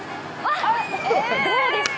どうですか？